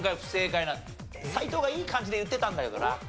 斎藤がいい感じで言ってたんだけどな。